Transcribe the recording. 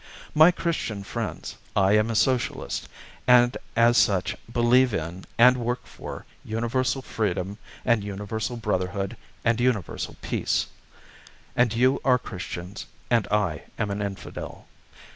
My Christian friends, I am a Socialist, and as such believe in, and work for, universal freedom, and universal brotherhood, and universal peace. And you are Christians, and I am an "Infidel."